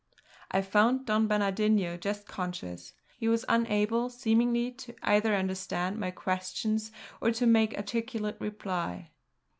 I found Don Bernardino just conscious; he was unable, seemingly, to either understand my questions or to make articulate reply.